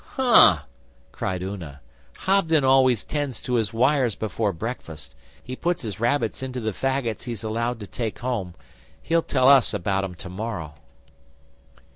'Huhh!' cried Una. 'Hobden always 'tends to his wires before breakfast. He puts his rabbits into the faggots he's allowed to take home. He'll tell us about 'em tomorrow.